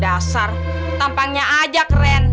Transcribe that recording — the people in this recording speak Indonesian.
dasar tampangnya aja keren